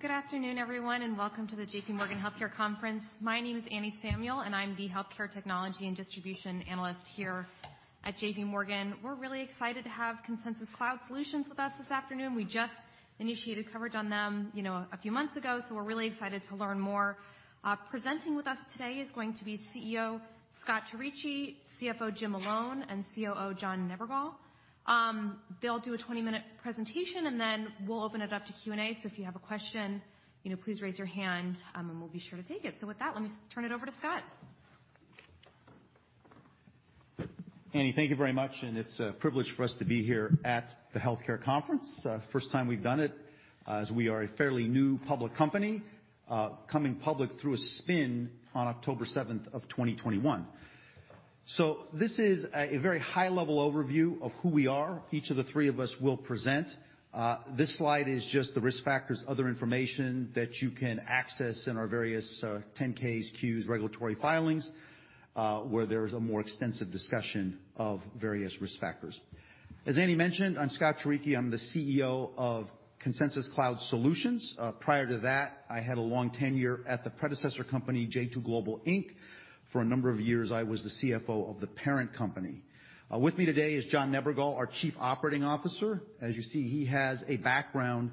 Good afternoon, everyone. Welcome to the J.P. Morgan Healthcare Conference. My name is Anne Samuel, I'm the healthcare technology and distribution analyst here at J.P. Morgan. We're really excited to have Consensus Cloud Solutions with us this afternoon. We just initiated coverage on them, you know, a few months ago. We're really excited to learn more. Presenting with us today is going to be CEO Scott Turicchi, CFO James Malone, and COO John Nebergall. They'll do a 20-minute presentation. Then we'll open it up to Q&A. If you have a question, you know, please raise your hand. We'll be sure to take it. With that, let me turn it over to Scott. Anne, thank you very much. It's a privilege for us to be here at the Healthcare Conference. First time we've done it, as we are a fairly new public company, coming public through a spin on October 7, 2021. This is a very high-level overview of who we are. Each of the three of us will present. This slide is just the risk factors, other information that you can access in our various 10-K's, Q's regulatory filings, where there's a more extensive discussion of various risk factors. As Anne mentioned, I'm Scott Turicchi. I'm the CEO of Consensus Cloud Solutions. Prior to that, I had a long tenure at the predecessor company, J2 Global Inc. For a number of years, I was the CFO of the parent company. With me today is John Nebergall, our Chief Operating Officer. As you see, he has a background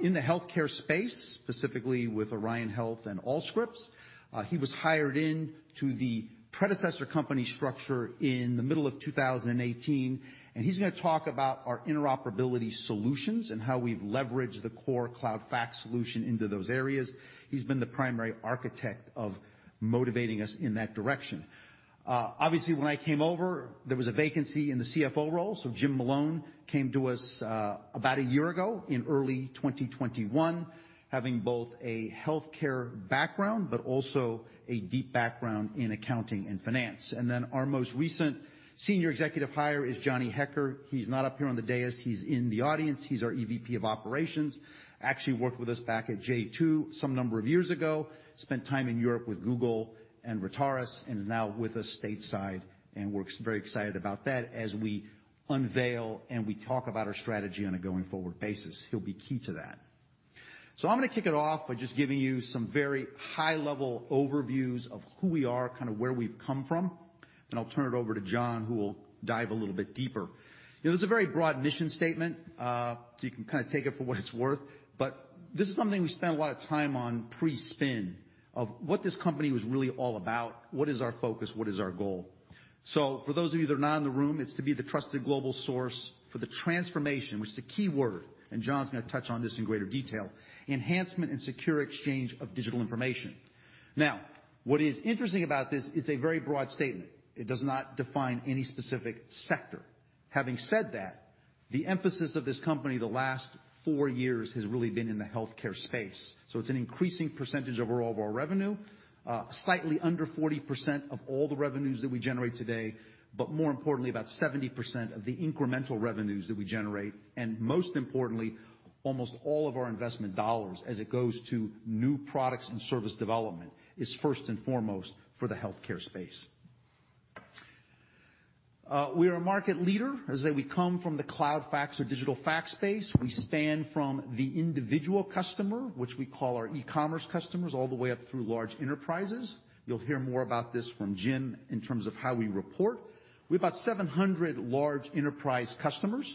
in the healthcare space, specifically with Orion Health and Allscripts. He was hired in to the predecessor company structure in the middle of 2018. He's going to talk about our interoperability solutions and how we've leveraged the core cloud fax solution into those areas. He's been the primary architect of motivating us in that direction. Obviously, when I came over, there was a vacancy in the CFO role, Jim Malone came to us about a year ago in early 2021, having both a healthcare background but also a deep background in accounting and finance. Our most recent senior executive hire is Johnny Hecker. He's not up here on the dais. He's in the audience. He's our EVP of Operations. Actually worked with us back at J2 some number of years ago. Spent time in Europe with Google and Retarus, is now with us stateside, we're very excited about that as we unveil and we talk about our strategy on a going-forward basis. He'll be key to that. I'm gonna kick it off by just giving you some very high-level overviews of who we are, kinda where we've come from, I'll turn it over to John, who will dive a little bit deeper. This is a very broad mission statement, you can kinda take it for what it's worth, this is something we spent a lot of time on pre-spin of what this company was really all about, what is our focus, what is our goal. For those of you that are not in the room, it's to be the trusted global source for the transformation, which is a keyword, and John's gonna touch on this in greater detail, enhancement and secure exchange of digital information. What is interesting about this, it's a very broad statement. It does not define any specific sector. Having said that, the emphasis of this company the last four years has really been in the healthcare space. It's an increasing percentage overall of our revenue, slightly under 40% of all the revenues that we generate today, but more importantly, about 70% of the incremental revenues that we generate, and most importantly, almost all of our investment dollars as it goes to new products and service development is first and foremost for the healthcare space. We are a market leader, as we come from the cloud fax or digital fax space. We span from the individual customer, which we call our e-commerce customers, all the way up through large enterprises. You'll hear more about this from Jim in terms of how we report. We've about 700 large enterprise customers.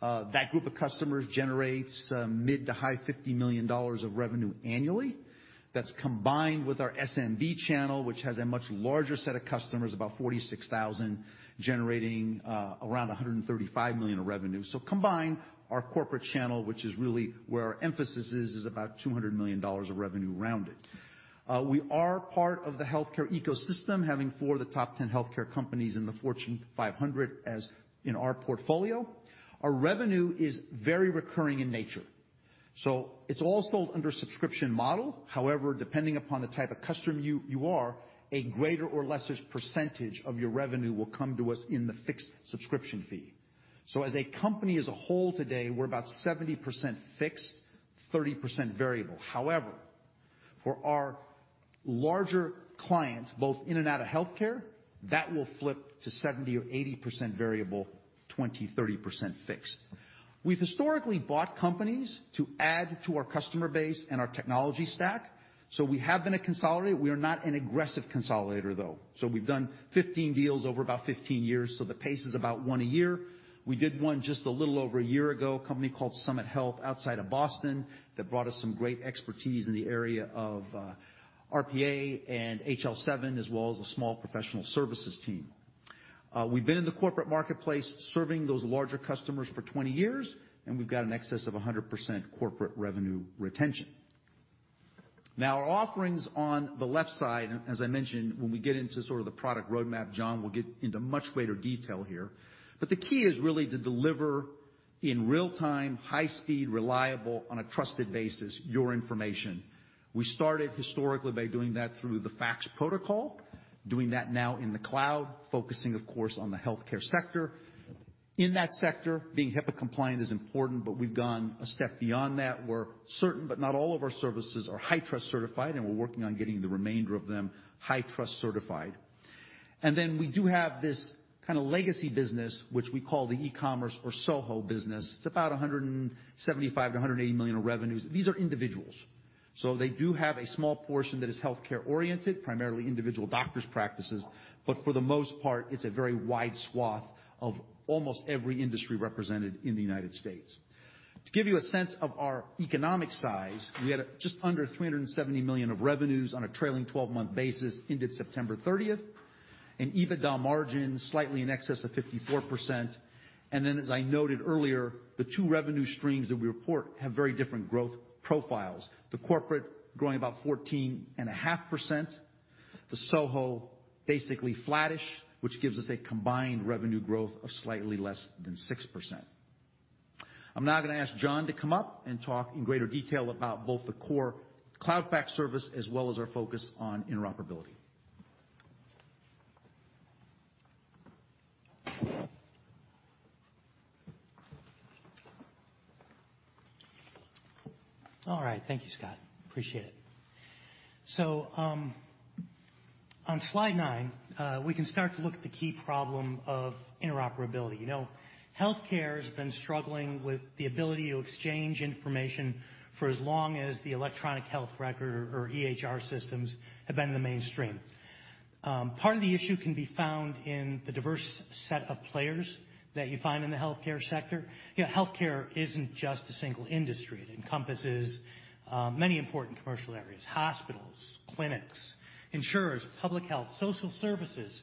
That group of customers generates mid to high $50 million of revenue annually. That's combined with our SMB channel, which has a much larger set of customers, about 46,000, generating around $135 million of revenue. Combined, our corporate channel, which is really where our emphasis is about $200 million of revenue rounded. We are part of the healthcare ecosystem, having four of the top 10 healthcare companies in the Fortune 500 as in our portfolio. Our revenue is very recurring in nature. It's all sold under subscription model. However, depending upon the type of customer you are, a greater or lessers percentage of your revenue will come to us in the fixed subscription fee. As a company as a whole today, we're about 70% fixed, 30% variable. However, for our larger clients, both in and out of healthcare, that will flip to 70% or 80% variable, 20%, 30% fixed. We've historically bought companies to add to our customer base and our technology stack. We have been a consolidator. We are not an aggressive consolidator, though. We've done 15 deals over about 15 years, so the pace is about 1 a year. We did one just a little over a year ago, a company called Summit Health outside of Boston, that brought us some great expertise in the area of RPA and HL7, as well as a small professional services team. We've been in the corporate marketplace serving those larger customers for 20 years, and we've got an excess of 100% corporate revenue retention. Our offerings on the left side, as I mentioned, when we get into sort of the product roadmap, John will get into much greater detail here. The key is really to deliver in real-time, high speed, reliable, on a trusted basis your information. We started historically by doing that through the fax protocol, doing that now in the cloud, focusing, of course, on the healthcare sector. In that sector, being HIPAA compliant is important, but we've gone a step beyond that. We're certain, but not all of our services are HITRUST certified, and we're working on getting the remainder of them HITRUST certified. We do have this kind of legacy business, which we call the e-commerce or SOHO business. It's about $175 million-$180 million of revenues. These are individuals. They do have a small portion that is healthcare-oriented, primarily individual doctors' practices, but for the most part, it's a very wide swath of almost every industry represented in the United States. To give you a sense of our economic size, we had just under $370 million of revenues on a trailing 12-month basis, ended September 30th, and EBITDA margin slightly in excess of 54%. As I noted earlier, the two revenue streams that we report have very different growth profiles. The corporate growing about 14.5%, the SOHO basically flattish, which gives us a combined revenue growth of slightly less than 6%. I'm now gonna ask John to come up and talk in greater detail about both the core cloud fax service as well as our focus on interoperability. All right. Thank you, Scott. Appreciate it. On slide nine, we can start to look at the key problem of interoperability. You know, healthcare has been struggling with the ability to exchange information for as long as the electronic health record or EHR systems have been in the mainstream. Part of the issue can be found in the diverse set of players that you find in the healthcare sector. You know, healthcare isn't just a single industry. It encompasses many important commercial areas, hospitals, clinics, insurers, public health, social services,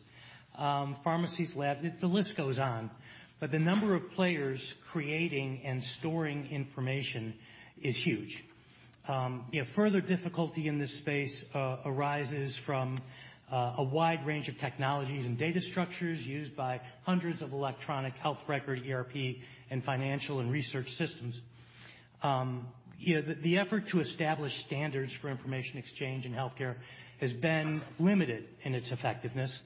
pharmacies, lab, the list goes on. The number of players creating and storing information is huge. You know, further difficulty in this space arises from a wide range of technologies and data structures used by hundreds of electronic health record, ERP, and financial and research systems. You know, the effort to establish standards for information exchange in healthcare has been limited in its effectiveness.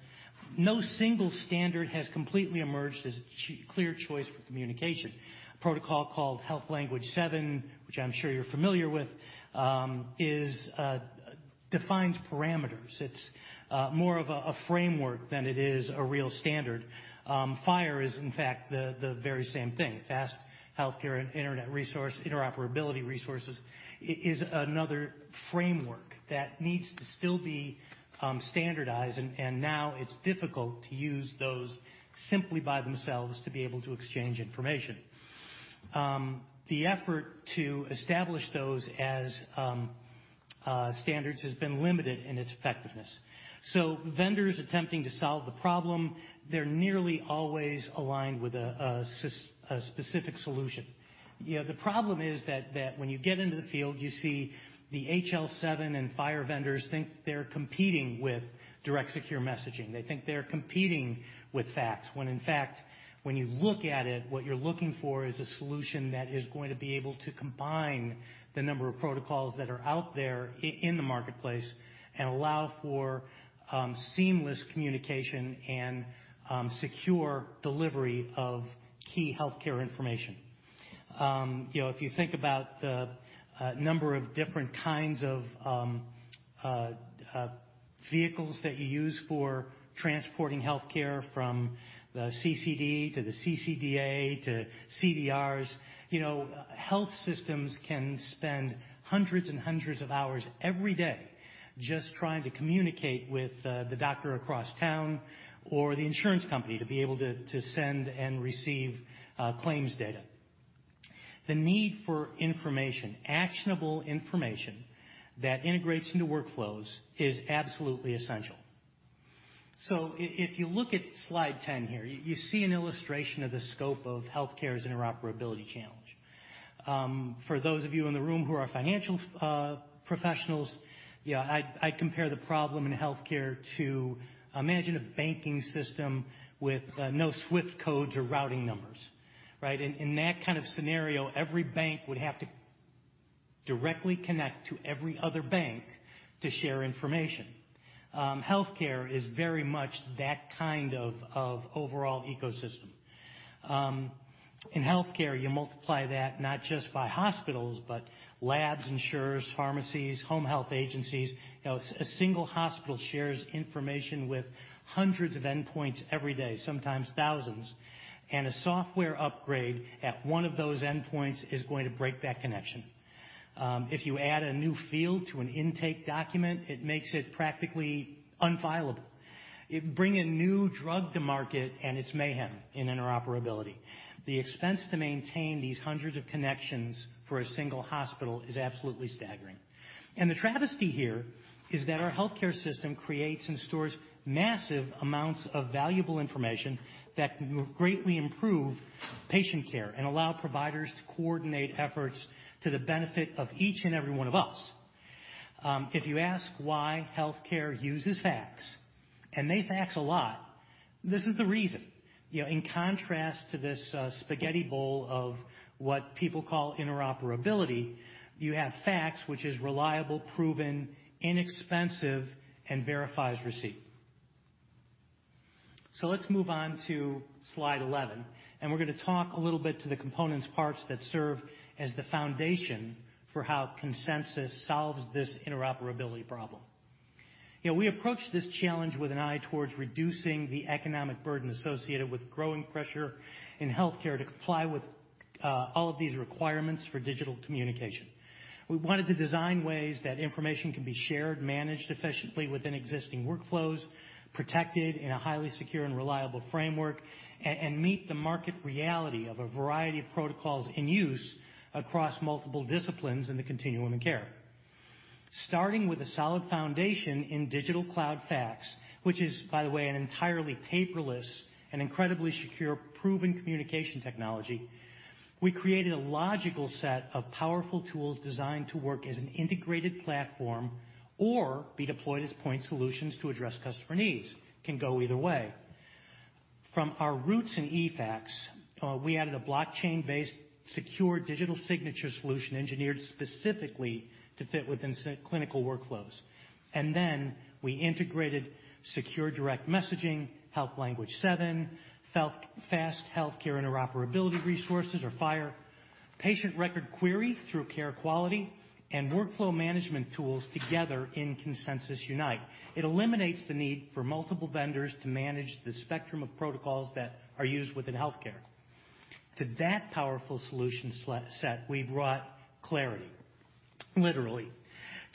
No single standard has completely emerged as a clear choice for communication. A protocol called Health Level Seven, which I'm sure you're familiar with, defines parameters. It's more of a framework than it is a real standard. FHIR is in fact the very same thing. Fast Healthcare Interoperability Resources is another framework that needs to still be standardized, and now it's difficult to use those simply by themselves to be able to exchange information. The effort to establish those as standards has been limited in its effectiveness. Vendors attempting to solve the problem, they're nearly always aligned with a specific solution. You know, the problem is that when you get into the field, you see the HL7 and FHIR vendors think they're competing with Direct Secure Messaging. They think they're competing with fax, when in fact, when you look at it, what you're looking for is a solution that is going to be able to combine the number of protocols that are out there in the marketplace and allow for seamless communication and secure delivery of key healthcare information. You know, if you think about the number of different kinds of vehicles that you use for transporting healthcare from the CCD to the CCDA to CDRs, you know, health systems can spend hundreds and hundreds of hours every day just trying to communicate with the doctor across town or the insurance company to be able to send and receive claims data. The need for information, actionable information, that integrates into workflows is absolutely essential. If you look at slide 10 here, you see an illustration of the scope of healthcare's interoperability challenge. For those of you in the room who are financial professionals, you know, I compare the problem in healthcare to imagine a banking system with no SWIFT codes or routing numbers, right? In that kind of scenario, every bank would have to directly connect to every other bank to share information. Healthcare is very much that kind of overall ecosystem. In healthcare, you multiply that not just by hospitals, but labs, insurers, pharmacies, home health agencies. You know, a single hospital shares information with hundreds of endpoints every day, sometimes thousands. A software upgrade at one of those endpoints is going to break that connection. If you add a new field to an intake document, it makes it practically unfileable. You bring a new drug to market, and it's mayhem in interoperability. The expense to maintain these hundreds of connections for a single hospital is absolutely staggering. The travesty here is that our healthcare system creates and stores massive amounts of valuable information that can greatly improve patient care and allow providers to coordinate efforts to the benefit of each and every one of us. If you ask why healthcare uses fax, and they fax a lot, this is the reason. You know, in contrast to this spaghetti bowl of what people call interoperability, you have fax, which is reliable, proven, inexpensive, and verifies receipt. Let's move on to slide 11, and we're gonna talk a little bit to the components parts that serve as the foundation for how Consensus solves this interoperability problem. You know, we approach this challenge with an eye towards reducing the economic burden associated with growing pressure in healthcare to comply with all of these requirements for digital communication. We wanted to design ways that information can be shared, managed efficiently within existing workflows, protected in a highly secure and reliable framework, and meet the market reality of a variety of protocols in use across multiple disciplines in the continuum of care. Starting with a solid foundation in digital cloud fax, which is, by the way, an entirely paperless and incredibly secure, proven communication technology, we created a logical set of powerful tools designed to work as an integrated platform or be deployed as point solutions to address customer needs, can go either way. From our roots in eFax, we added a blockchain-based secure digital signature solution engineered specifically to fit within clinical workflows. Then we integrated secure direct messaging, Health Level Seven, Fast Healthcare Interoperability Resources or FHIR, patient record query through Carequality and workflow management tools together in Consensus Unite. It eliminates the need for multiple vendors to manage the spectrum of protocols that are used within healthcare. To that powerful solution set, we brought Clarity, literally,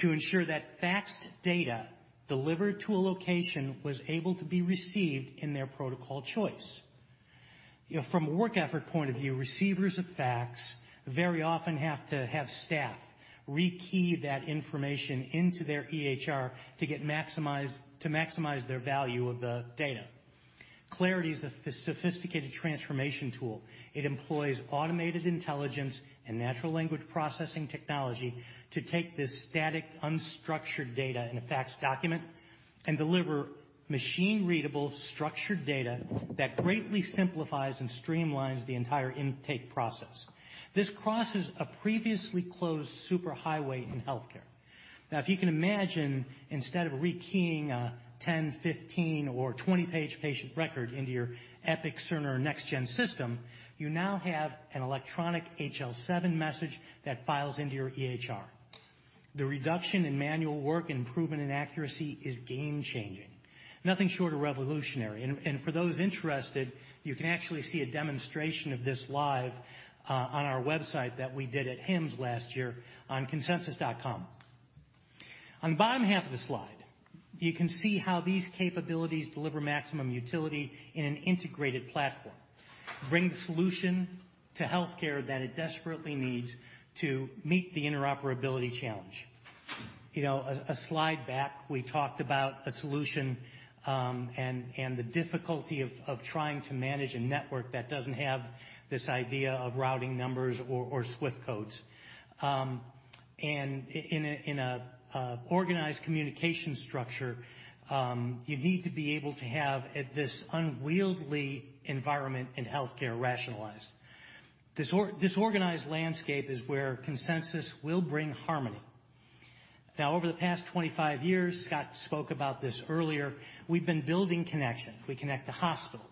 to ensure that faxed data delivered to a location was able to be received in their protocol choice. You know, from a work effort point of view, receivers of fax very often have to have staff rekey that information into their EHR to maximize their value of the data. Clarity is a sophisticated transformation tool. It employs automated intelligence and natural language processing technology to take this static, unstructured data in a fax document and deliver machine-readable, structured data that greatly simplifies and streamlines the entire intake process. This crosses a previously closed superhighway in healthcare. If you can imagine, instead of rekeying a 10, 15 or 20-page patient record into your Epic, Cerner, NextGen system, you now have an electronic HL7 message that files into your EHR. The reduction in manual work and improvement in accuracy is game-changing, nothing short of revolutionary. For those interested, you can actually see a demonstration of this live on our website that we did at HIMSS last year on consensus.com. The bottom half of the slide, you can see how these capabilities deliver maximum utility in an integrated platform, bring the solution to healthcare that it desperately needs to meet the interoperability challenge. You know, a slide back, we talked about a solution, and the difficulty of trying to manage a network that doesn't have this idea of routing numbers or SWIFT codes. In a, in a organized communication structure, you need to be able to have at this unwieldy environment in healthcare rationalized. Disorganized landscape is where Consensus will bring Harmony. Over the past 25 years, Scott spoke about this earlier, we've been building connections. We connect to hospitals,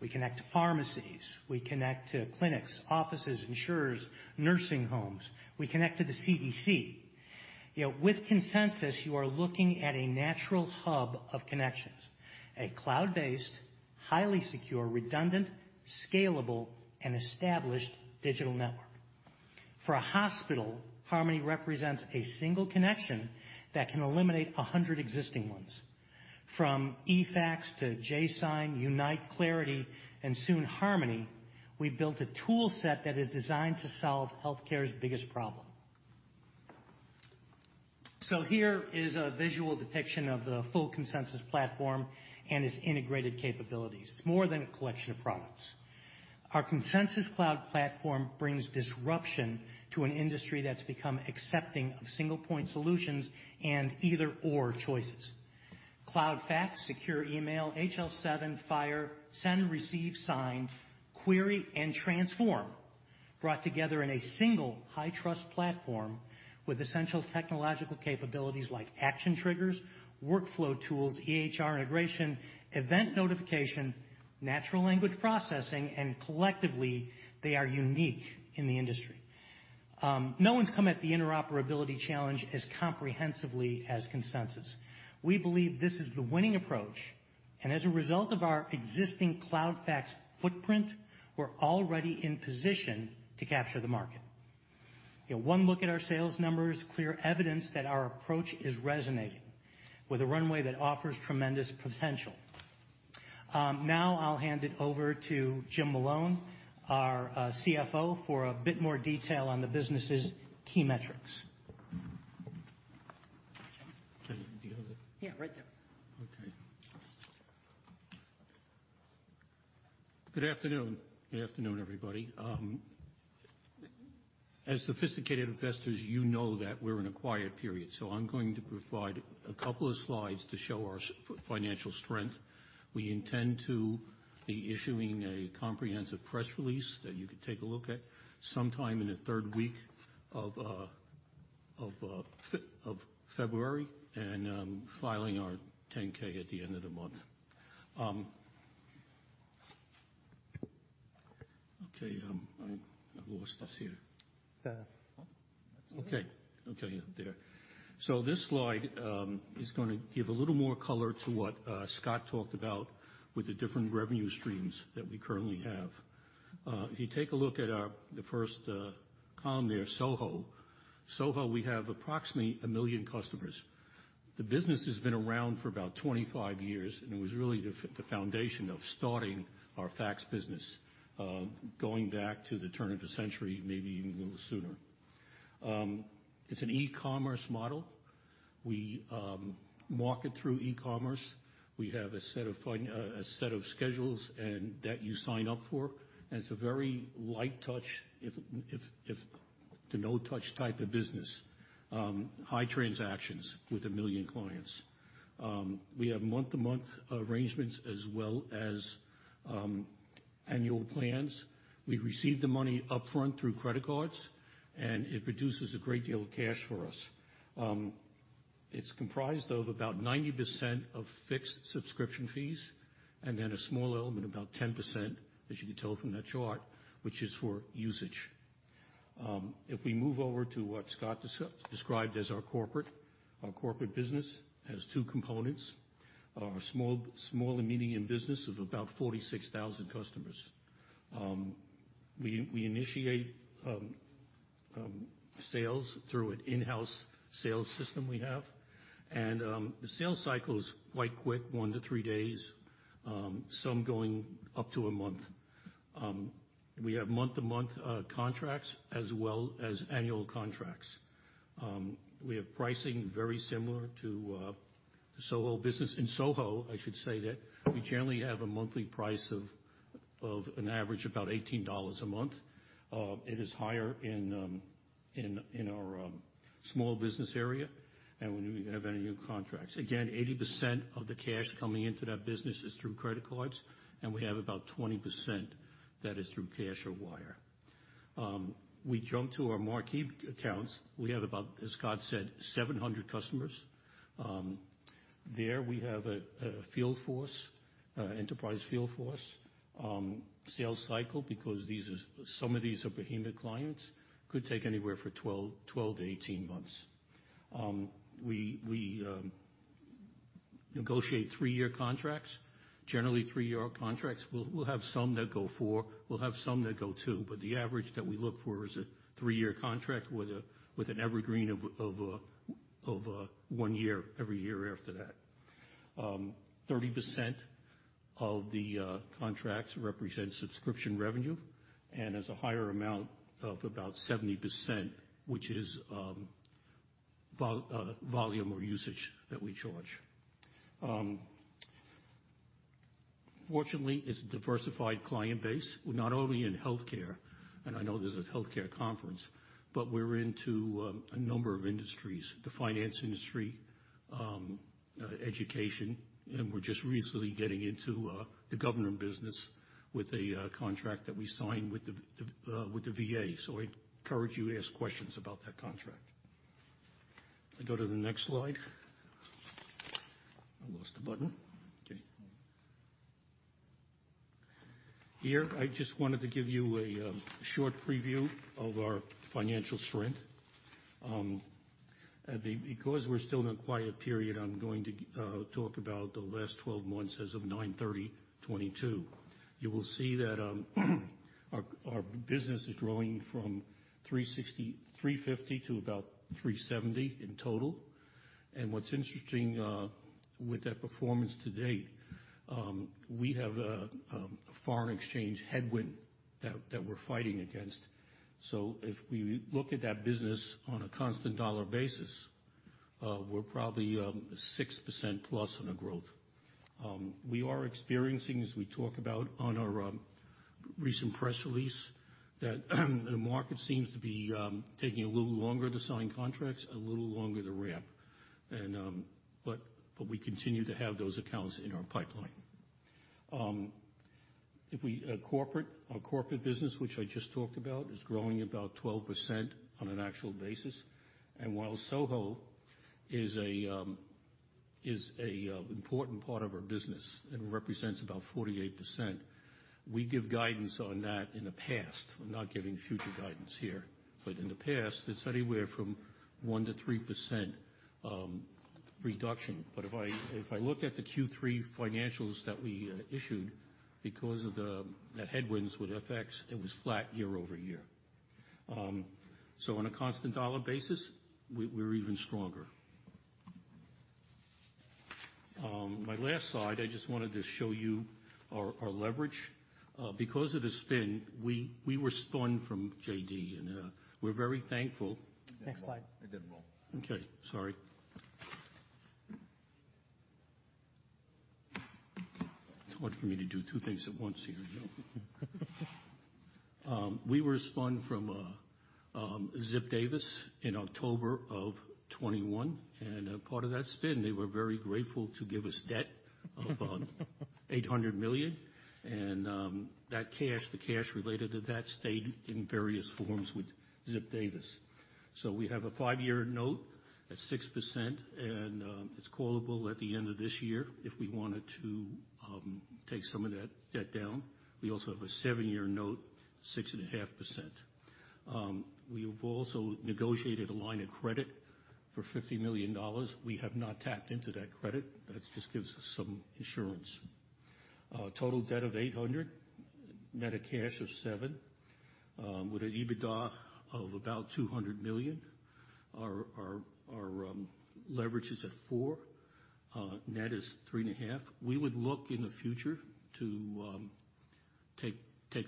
we connect to pharmacies, we connect to clinics, offices, insurers, nursing homes. We connect to the CDC. You know, with Consensus, you are looking at a natural hub of connections, a cloud-based, highly secure, redundant, scalable, and established digital network. For a hospital, Harmony represents a single connection that can eliminate 100 existing ones. From eFax to jSign, Unite, Clarity, and soon Harmony, we've built a toolset that is designed to solve healthcare's biggest problem. Here is a visual depiction of the full Consensus platform and its integrated capabilities. It's more than a collection of products. Our Consensus cloud platform brings disruption to an industry that's become accepting of single-point solutions and either/or choices. Cloud fax, secure email, HL7, FHIR, send, receive, sign, query, and transform, brought together in a single HITRUST platform with essential technological capabilities like action triggers, workflow tools, EHR integration, event notification, natural language processing, and collectively, they are unique in the industry. No one's come at the interoperability challenge as comprehensively as Consensus. We believe this is the winning approach. As a result of our existing cloud fax footprint, we're already in position to capture the market. You know, one look at our sales numbers, clear evidence that our approach is resonating with a runway that offers tremendous potential. Now I'll hand it over to Jim Malone, our CFO, for a bit more detail on the business's key metrics. Okay. Do you have it? Yeah, right there. Good afternoon. Good afternoon, everybody. As sophisticated investors, you know that we're in a quiet period, I'm going to provide a couple of slides to show our financial strength. We intend to be issuing a comprehensive press release that you can take a look at sometime in the 3rd week of February, filing our 10-K at the end of the month. I've lost us here. The- Okay. There. This slide is gonna give a little more color to what Scott talked about with the different revenue streams that we currently have. If you take a look at the first column there, SOHO. SOHO, we have approximately 1 million customers. The business has been around for about 25 years, and it was really the foundation of starting our fax business, going back to the turn of the century, maybe even a little sooner. It's an e-commerce model. We market through e-commerce. We have a set of schedules and that you sign up for. It's a very light touch to no touch type of business. High transactions with 1 million clients. We have month-to-month arrangements as well as annual plans. We receive the money upfront through credit cards. It produces a great deal of cash for us. It's comprised of about 90% of fixed subscription fees, and then a small element, about 10%, as you can tell from that chart, which is for usage. If we move over to what Scott described as our corporate. Our corporate business has two components. Our small and medium business of about 46,000 customers. We initiate sales through an in-house sales system we have. The sales cycle is quite quick, 1-3 days, some going up to a month. We have month-to-month contracts as well as annual contracts. We have pricing very similar to the SOHO business. In SOHO, I should say that we generally have a monthly price of an average about $18 a month. It is higher in our small business area and when we have annual contracts. Again, 80% of the cash coming into that business is through credit cards, and we have about 20% that is through cash or wire. We jump to our marquee accounts. We have about, as Scott said, 700 customers. There we have a field force, enterprise field force, sales cycle because some of these are behemoth clients could take anywhere for 12-18 months. We negotiate 3-year contracts. Generally, 3-year contracts. We'll have some that go four, we'll have some that go two, but the average that we look for is a three-year contract with an evergreen of one year every year after that. 30% of the contracts represent subscription revenue and has a higher amount of about 70%, which is volume or usage that we charge. Fortunately, it's a diversified client base. We're not only in healthcare, and I know this is a healthcare conference, but we're into a number of industries. The finance industry, education, and we're just recently getting into the government business with a contract that we signed with the VA. I encourage you to ask questions about that contract. I go to the next slide. I lost the button. Okay. Here, I just wanted to give you a short preview of our financial strength. Because we're still in a quiet period, I'm going to talk about the last 12 months as of 9/30/2022. You will see that our business is growing from $350 million to about $370 million in total. What's interesting with that performance to date, we have foreign exchange headwind that we're fighting against. If we look at that business on a constant dollar basis, we're probably 6% plus on a growth. We are experiencing, as we talk about on our recent press release, that the market seems to be taking a little longer to sign contracts, a little longer to ramp. But we continue to have those accounts in our pipeline. Our corporate business, which I just talked about, is growing about 12% on an actual basis. While Soho is a important part of our business and represents about 48%, we give guidance on that in the past. We're not giving future guidance here. In the past, it's anywhere from 1%-3% reduction. If I look at the Q3 financials that we issued, because of the headwinds with FX, it was flat year-over-year. On a constant dollar basis, we're even stronger. My last slide, I just wanted to show you our leverage. Because of the spin, we were spun from J2, and we're very thankful. Next slide. It didn't roll. Okay, sorry. It's hard for me to do 2 things at once here, you know. We were spun from Ziff Davis in October of 2021. Part of that spin, they were very grateful to give us debt Of $800 million. That cash, the cash related to that, stayed in various forms with Ziff Davis. We have a 5-year note at 6%, and it's callable at the end of this year if we wanted to take some of that debt down. We also have a 7-year note, 6.5%. We've also negotiated a line of credit for $50 million. We have not tapped into that credit. That just gives us some insurance. Total debt of $800, net of cash of $7, with an EBITDA of about $200 million. Our leverage is at 4, net is 3.5. We would look in the future to take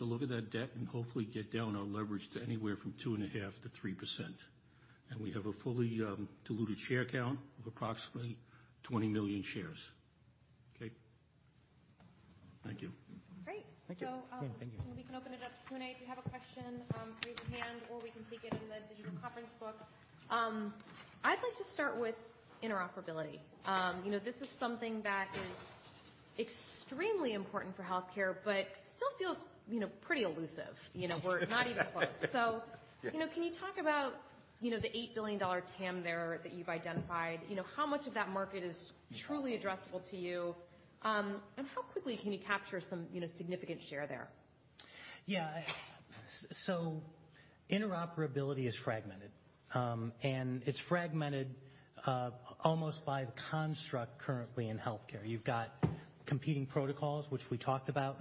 a look at that debt and hopefully get down our leverage to anywhere from 2.5%-3%. We have a fully diluted share count of approximately 20 million shares. Kate? Thank you. Great. Thank you. So, um- Thank you. We can open it up to Q&A. If you have a question, raise your hand, or we can take it in the digital conference book. I'd like to start with interoperability. you know, this is something that is extremely important for healthcare, but still feels, you know, pretty elusive. You know, we're not even close. you know, can you talk about, you know, the $8 billion TAM there that you've identified? You know, how much of that market is truly addressable to you? and how quickly can you capture some, you know, significant share there? interoperability is fragmented. It's fragmented almost by the construct currently in healthcare. You've got competing protocols, which we talked about.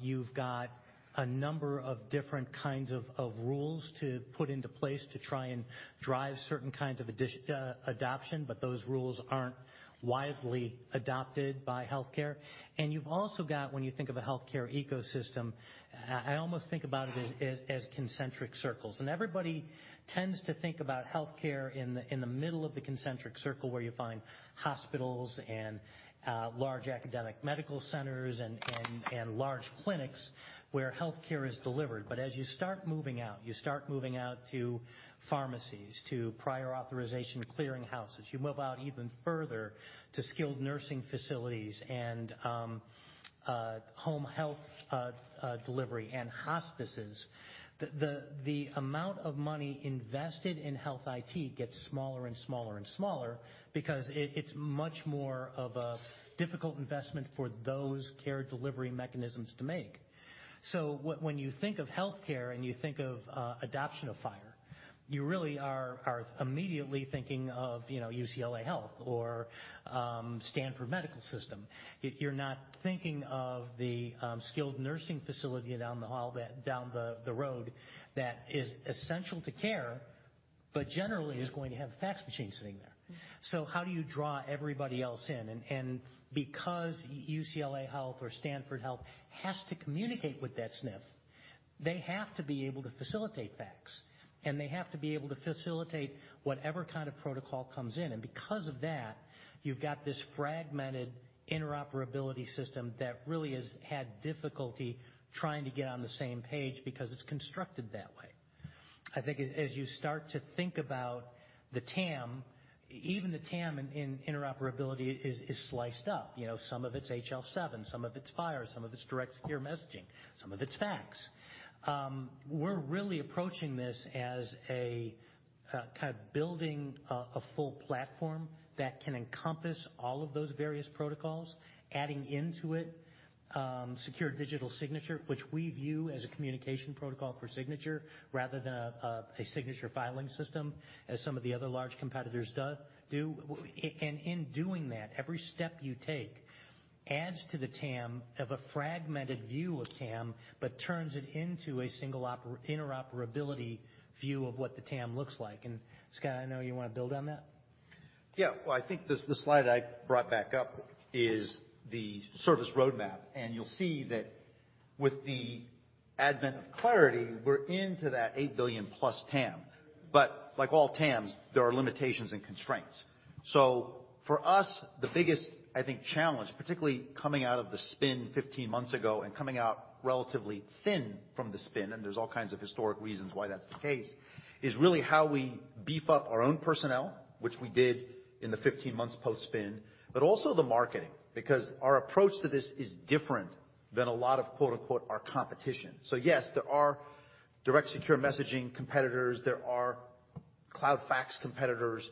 You've got a number of different kinds of rules to put into place to try and drive certain kinds of adoption. Those rules aren't widely adopted by healthcare. You've also got, when you think of a healthcare ecosystem, I almost think about it as concentric circles. Everybody tends to think about healthcare in the middle of the concentric circle, where you find hospitals and large academic medical centers and large clinics where healthcare is delivered. As you start moving out, you start moving out to pharmacies, to prior authorization clearing houses. You move out even further to skilled nursing facilities and home health delivery and hospices. The amount of money invested in health IT gets smaller and smaller and smaller because it's much more of a difficult investment for those care delivery mechanisms to make. When you think of healthcare and you think of adoption of FHIR, you really are immediately thinking of, you know, UCLA Health or Stanford Medical System. You're not thinking of the skilled nursing facility down the hall that down the road that is essential to care, but generally is going to have a fax machine sitting there. How do you draw everybody else in? Because UCLA Health or Stanford Health has to communicate with that SNF, they have to be able to facilitate fax, and they have to be able to facilitate whatever kind of protocol comes in. Because of that, you've got this fragmented interoperability system that really has had difficulty trying to get on the same page because it's constructed that way. I think as you start to think about the TAM, even the TAM in interoperability is sliced up. You know, some of it's HL7, some of it's FHIR, some of it's Direct Secure Messaging, some of it's fax. We're really approaching this as a kind of building a full platform that can encompass all of those various protocols, adding into it, secure digital signature, which we view as a communication protocol for signature rather than a signature filing system, as some of the other large competitors do. In doing that, every step you take adds to the TAM, of a fragmented view of TAM, but turns it into a single interoperability view of what the TAM looks like. Scott, I know you wanna build on that. Yeah. Well, I think the slide I brought back up is the service roadmap. You'll see that with the advent of Clarity, we're into that $8 billion+ TAM. Like all TAMs, there are limitations and constraints. For us, the biggest, I think, challenge, particularly coming out of the spin 15 months ago and coming out relatively thin from the spin, and there's all kinds of historic reasons why that's the case, is really how we beef up our own personnel, which we did in the 15 months post-spin, but also the marketing, because our approach to this is different than a lot of, quote-unquote, "our competition." Yes, there are Direct Secure Messaging competitors, there are cloud fax competitors,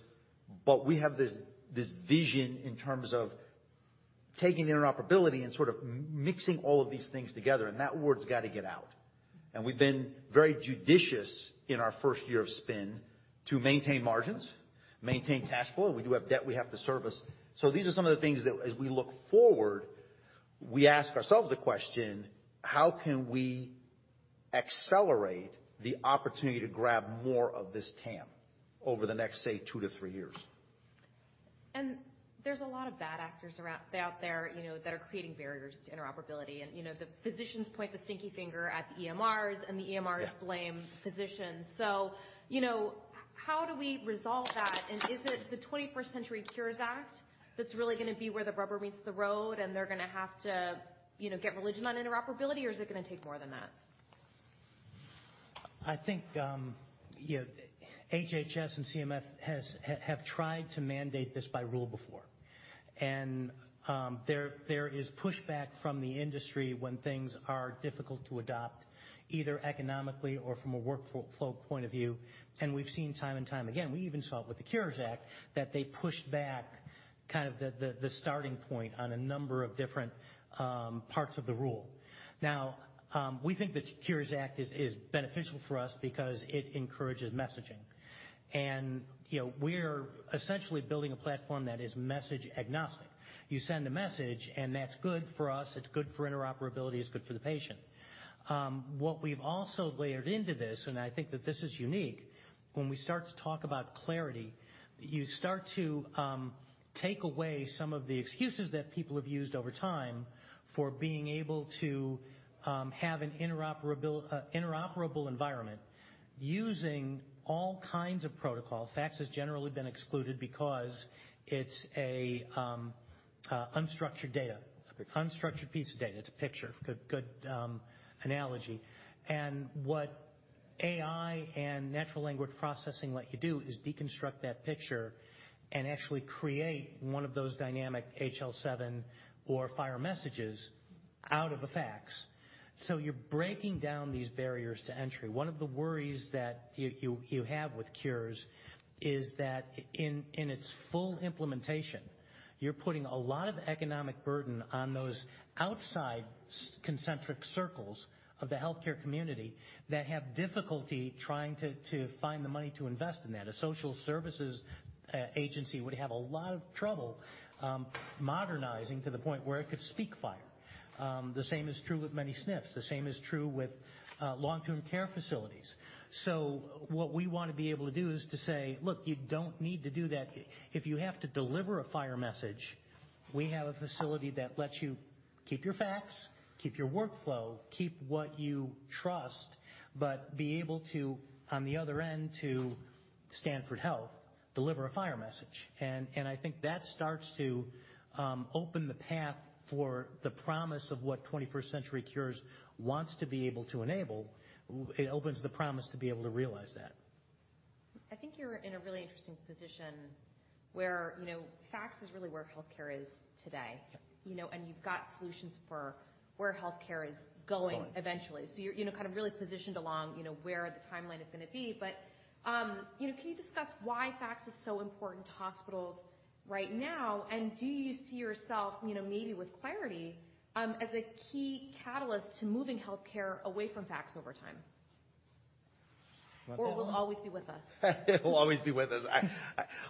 but we have this vision in terms of taking the interoperability and sort of mixing all of these things together, and that word's gotta get out. We've been very judicious in our first year of spin to maintain margins, maintain cash flow. We do have debt we have to service. These are some of the things that as we look forward, we ask ourselves the question: How can we accelerate the opportunity to grab more of this TAM over the next, say, two to three years? There's a lot of bad actors out there, you know, that are creating barriers to interoperability. You know, the physicians point the stinky finger at the EMRs, and the EMRs blame physicians. You know, how do we resolve that? Is it the 21st Century Cures Act that's really gonna be where the rubber meets the road, and they're gonna have to, you know, get religion on interoperability, or is it gonna take more than that? I think, you know, HHS and CMS have tried to mandate this by rule before. There is pushback from the industry when things are difficult to adopt, either economically or from a workflow point of view. We've seen time and time again, we even saw it with the Cures Act, that they pushed back kind of the starting point on a number of different parts of the rule. We think the Cures Act is beneficial for us because it encourages messaging. You know, we're essentially building a platform that is message agnostic. You send a message, that's good for us, it's good for interoperability, it's good for the patient. What we've also layered into this, and I think that this is unique, when we start to talk about clarity, you start to take away some of the excuses that people have used over time for being able to have an interoperable environment using all kinds of protocol. Fax has generally been excluded because it's a unstructured data. That's a good point. Unstructured piece of data. It's a picture. Good analogy. What AI and natural language processing let you do is deconstruct that picture and actually create one of those dynamic HL7 or FHIR messages out of the fax. You're breaking down these barriers to entry. One of the worries that you have with Cures is that in its full implementation, you're putting a lot of economic burden on those outside concentric circles of the healthcare community that have difficulty trying to find the money to invest in that. A social services agency would have a lot of trouble modernizing to the point where it could speak FHIR. The same is true with many SNFs. The same is true with long-term care facilities. What we wanna be able to do is to say, "Look, you don't need to do that. If you have to deliver a FHIR message, we have a facility that lets you keep your fax, keep your workflow, keep what you trust, but be able to, on the other end, to Stanford Health, deliver a FHIR message." I think that starts to open the path for the promise of what 21st Century Cures wants to be able to enable. It opens the promise to be able to realize that. I think you're in a really interesting position where, you know, fax is really where healthcare is today. Sure. You know, you've got solutions for where healthcare is going. Going. eventually. You're, you know, kind of really positioned along, you know, where the timeline is gonna be. You know, can you discuss why fax is so important to hospitals right now? Do you see yourself, you know, maybe with Clarity as a key catalyst to moving healthcare away from fax over time? Well, Will it always be with us? It will always be with us. I.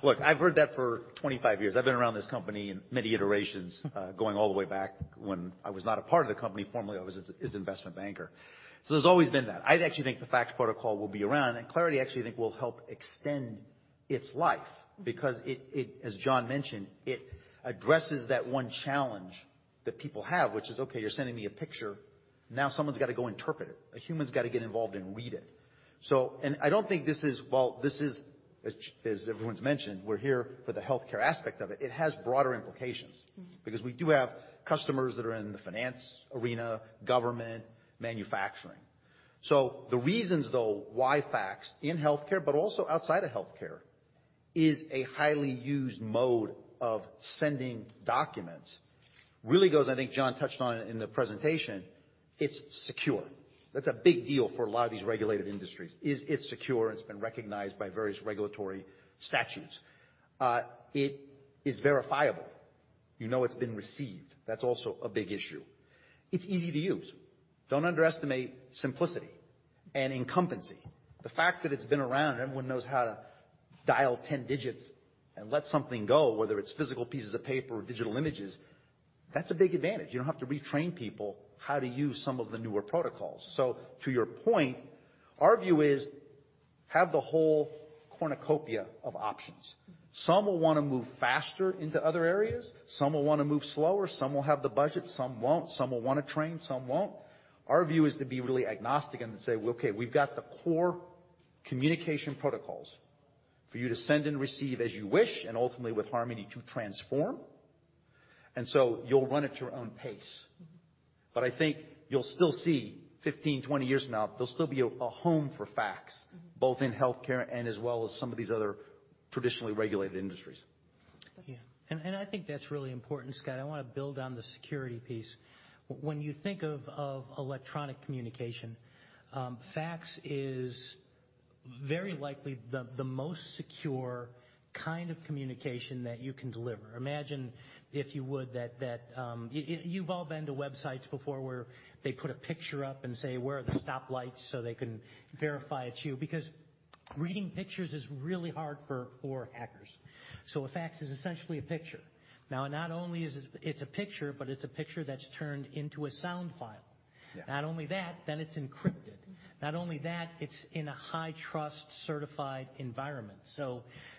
Look, I've heard that for 25 years. I've been around this company in many iterations, going all the way back when I was not a part of the company formerly. I was its investment banker. There's always been that. I actually think the fax protocol will be around, and Consensus Clarity actually think will help extend its life because it, as John mentioned, it addresses that one challenge that people have, which is, okay, you're sending me a picture, now someone's gotta go interpret it. A human's gotta get involved and read it. I don't think this is. While this is, as everyone's mentioned, we're here for the healthcare aspect of it has broader implications. Mm-hmm. We do have customers that are in the finance arena, government, manufacturing. The reasons, though, why fax in healthcare, but also outside of healthcare, is a highly used mode of sending documents really goes, I think John touched on it in the presentation, it's secure. That's a big deal for a lot of these regulated industries. Is it secure? It's been recognized by various regulatory statutes. It is verifiable. You know it's been received. That's also a big issue. It's easy to use. Don't underestimate simplicity and incumbency. The fact that it's been around and everyone knows how to dial 10 digits and let something go, whether it's physical pieces of paper or digital images, that's a big advantage. You don't have to retrain people how to use some of the newer protocols. To your point, our view is have the whole cornucopia of options. Mm-hmm. Some will wanna move faster into other areas. Some will wanna move slower. Some will have the budget, some won't. Some will wanna train, some won't. Our view is to be really agnostic and to say, "Well, okay, we've got the core communication protocols for you to send and receive as you wish, and ultimately with Harmony to transform. You'll run at your own pace. Mm-hmm. I think you'll still see 15, 20 years from now, there'll still be a home for fax. Mm-hmm. both in healthcare and as well as some of these other traditionally regulated industries. Okay. Yeah. I think that's really important, Scott. I wanna build on the security piece. When you think of electronic communication, fax is very likely the most secure kind of communication that you can deliver. Imagine, if you would, that you've all been to websites before where they put a picture up and say, "Where are the stoplights?" They can verify it's you. Because reading pictures is really hard for hackers. A fax is essentially a picture. Now, not only is it's a picture, but it's a picture that's turned into a sound file. Not only that, it's encrypted. Not only that, it's in a high-trust certified environment.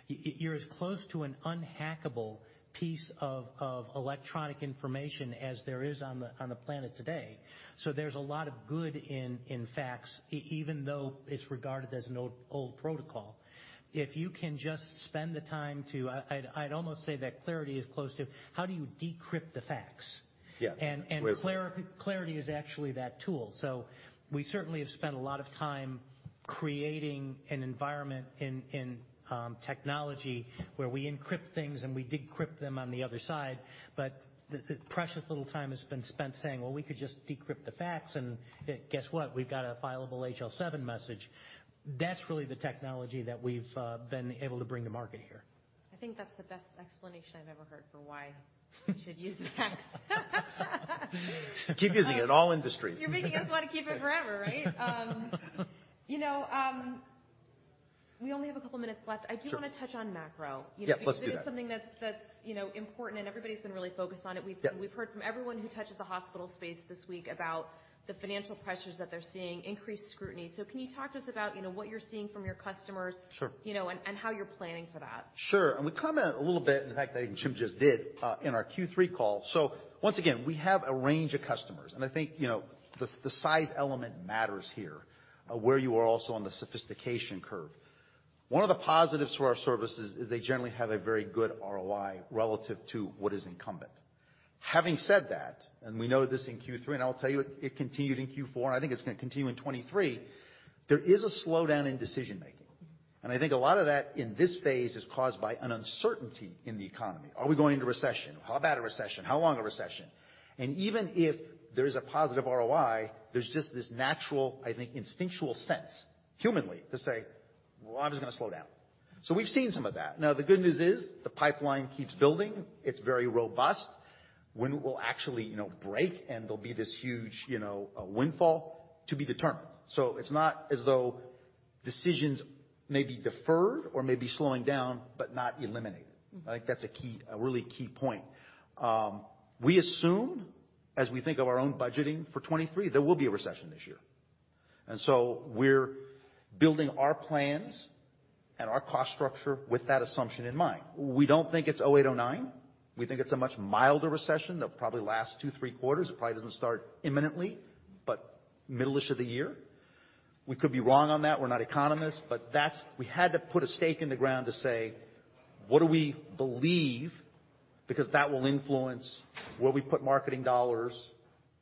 You're as close to an unhackable piece of electronic information as there is on the planet today. There's a lot of good in fax even though it's regarded as an old protocol. If you can just spend the time to I'd almost say that Clarity is close to how do you decrypt the fax? Yeah. Clarity is actually that tool. We certainly have spent a lot of time creating an environment in technology where we encrypt things, and we decrypt them on the other side, but precious little time has been spent saying, "Well, we could just decrypt the fax, and guess what? We've got a fileable HL7 message." That's really the technology that we've been able to bring to market here. I think that's the best explanation I've ever heard for why we should use the faxes. Keep using it in all industries. You're making us want to keep it forever, right? You know, we only have a couple of minutes left. Sure. I do want to touch on macro. Yeah, let's do that. This is something that's, you know, important, and everybody's been really focused on it. Yeah. We've heard from everyone who touches the hospital space this week about the financial pressures that they're seeing, increased scrutiny. Can you talk to us about, you know, what you're seeing from your customers. Sure. You know, and how you're planning for that? Sure. We comment a little bit, in fact, I think Jim just did, in our Q3 call. Once again, we have a range of customers, and I think, you know, the size element matters here, where you are also on the sophistication curve. One of the positives to our services is they generally have a very good ROI relative to what is incumbent. Having said that, and we know this in Q3, and I'll tell you, it continued in Q4, and I think it's going to continue in 2023. There is a slowdown in decision-making. I think a lot of that in this phase is caused by an uncertainty in the economy. Are we going into recession? How bad a recession? How long a recession? Even if there is a positive ROI, there's just this natural, I think, instinctual sense, humanly, to say, "Well, I'm just gonna slow down." We've seen some of that. The good news is the pipeline keeps building. It's very robust. When it will actually, you know, windfall to be determined. It's not as though decisions may be deferred or may be slowing down, but not eliminated. I think that's a key, a really key point. We assume, as we think of our own budgeting for 2023, there will be a recession this year. We're building our plans and our cost structure with that assumption in mind. We don't think it's 2008, 2009. We think it's a much milder recession that probably lasts two, three quarters. It probably doesn't start imminently, middle-ish of the year. We could be wrong on that. We're not economists. We had to put a stake in the ground to say, "What do we believe?" That will influence where we put marketing dollars,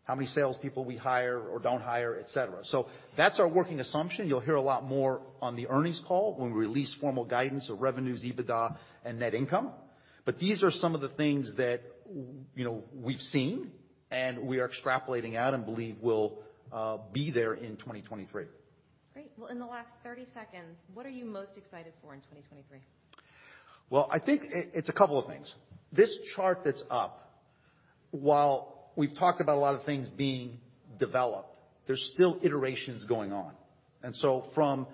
how many salespeople we hire or don't hire, et cetera. That's our working assumption. You'll hear a lot more on the earnings call when we release formal guidance of revenues, EBITDA, and net income. These are some of the things that we've, you know, seen and we are extrapolating out and believe will be there in 2023. Great. Well, in the last 30 seconds, what are you most excited for in 2023? Well, I think it's a couple of things. This chart that's up, while we've talked about a lot of things being developed, there's still iterations going on. So from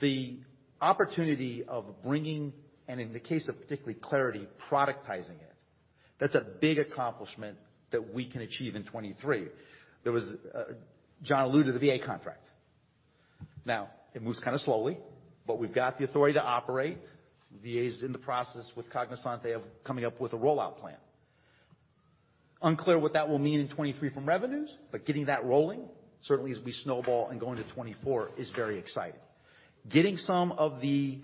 the opportunity of bringing, and in the case of particularly Clarity, productizing it, that's a big accomplishment that we can achieve in 2023. There was John alluded to the VA contract. Now, it moves kinda slowly, but we've got the authority to operate. VA is in the process with Cognizant. Coming up with a rollout plan. Unclear what that will mean in 2023 from revenues, but getting that rolling, certainly as we snowball and go into 2024 is very exciting. Getting some of the.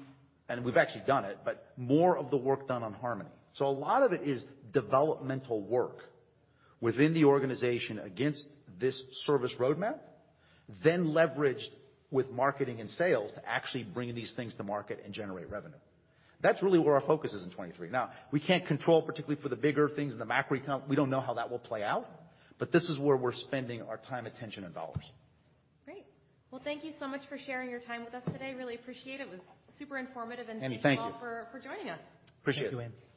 We've actually done it, but more of the work done on Harmony. A lot of it is developmental work within the organization against this service roadmap, then leveraged with marketing and sales to actually bring these things to market and generate revenue. That's really where our focus is in 2023. We can't control, particularly for the bigger things in the macroecon, we don't know how that will play out, but this is where we're spending our time, attention, and dollars. Great. Thank you so much for sharing your time with us today. Really appreciate it. It was super informative. Anne, thank you. Thank you all for joining us. Appreciate it. Thank you, Anne.